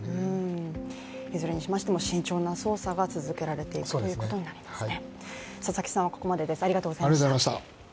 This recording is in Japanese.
いずれにしましても慎重な捜査が続けられていくということになりますね。